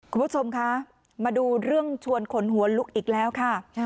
คุณผู้ชมคะมาดูเรื่องชวนขนหัวลุกอีกแล้วค่ะ